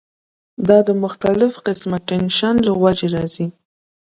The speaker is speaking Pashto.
دا د مختلف قسمه ټېنشن له وجې راځی